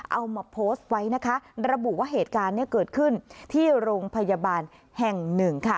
เอามาโพสต์ไว้นะคะระบุว่าเหตุการณ์เนี่ยเกิดขึ้นที่โรงพยาบาลแห่งหนึ่งค่ะ